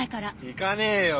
行かねえよ